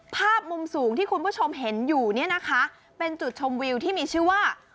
ภาพมุมสูงที่คุณผู้ชมเห็นอยู่เนี่ยนะคะเป็นจุดชมวิวที่มีชื่อว่า